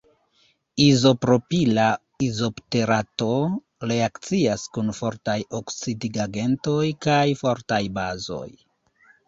Izopropila izobuterato reakcias kun fortaj oksidigagentoj kaj fortaj bazoj.